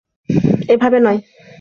এভাবে নয়!